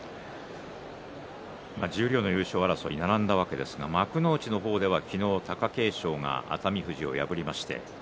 十両の優勝争い並んだわけですが幕内の方では昨日、貴景勝が熱海富士を破りました。